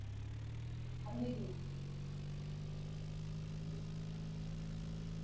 kamiŋa